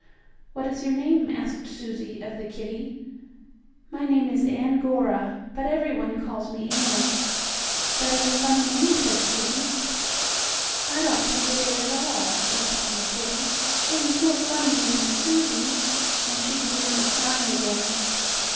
"What is your name?" asked Susie of the kittie. "My name is Ann Gora, but every one calls me Ann." "That is a funny name," said Susie. "I don't think it is at all," went on the kitten. "It is no funnier than Susie," and she began to cry again.